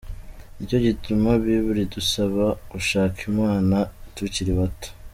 Nicyo gituma Bible idusaba gushaka imana tukiri bato.